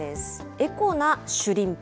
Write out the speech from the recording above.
エコなシュリンプ。